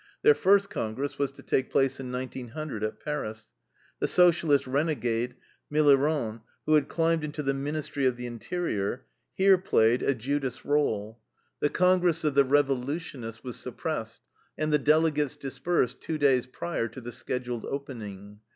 Their first congress was to take place in 1900, at Paris. The Socialist renegade, Millerand, who had climbed into the Ministry of the Interior, here played a Judas role. The congress of the revolutionists was suppressed, and the delegates dispersed two days prior to their scheduled opening.